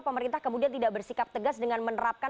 pemerintah kemudian tidak bersikap tegas dengan menerapkan